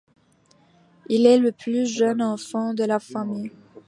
Il est le plus jeune enfant de la famille.